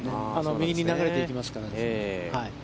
右に流れていきますから。